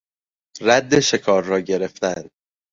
رد شکار را گرفتن